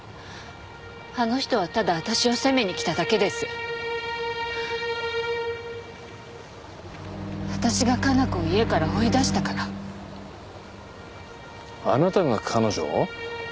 あの人はただ私を責めに来ただけです私が加奈子を家から追い出したからあなたが彼女を？